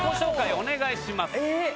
お願いします。